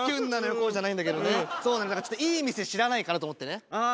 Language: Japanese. こうじゃないんだけどねだからちょっといい店知らないかなと思ってねああ